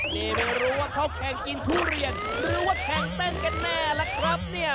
นี่ไม่รู้ว่าเขาแข่งกินทุเรียนหรือว่าแข่งเต้นกันแน่ล่ะครับเนี่ย